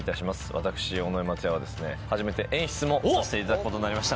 私尾上松也は初めて演出もさせていただくことになりました